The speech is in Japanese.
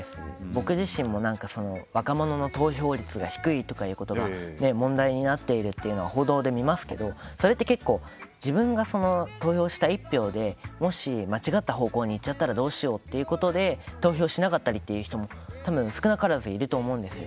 僕自身も、若者の投票率が低いとかいうことが問題になっていることは報道で見ますけどそれって、結構自分が投票した１票でもし間違った方向にいっちゃったらどうしようってことで投票しなかったりっていう人も少なからずいると思うんです。